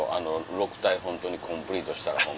６体ホントにコンプリートしたら。